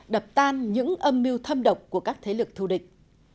đập tan những âm mưu thâm độc của các thế lực thù địch